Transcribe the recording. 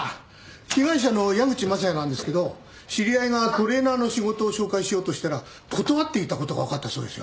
被害者の矢口雅也なんですけど知り合いがトレーナーの仕事を紹介しようとしたら断っていたことが分かったそうですよ。